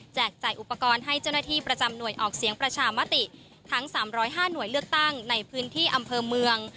จ่ายอุปกรณ์ให้เจ้าหน้าที่ประจำหน่วยออกเสียงประชามติทั้ง๓๐๕หน่วยเลือกตั้งในพื้นที่อำเภอเมือง